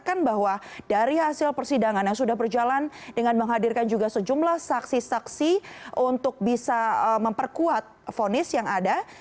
saya mengatakan bahwa dari hasil persidangan yang sudah berjalan dengan menghadirkan juga sejumlah saksi saksi untuk bisa memperkuat vonis yang ada